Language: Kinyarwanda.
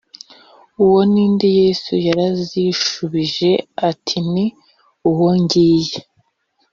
uwo ni nde Yesu yarazishubije ati ni uwo ngiye